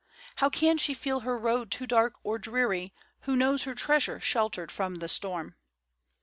How can she feel her road too dark or dreary Who knows her treasure sheltered from the storm.